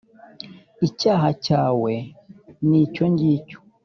icyaha cyawe ni icyo ngicyo.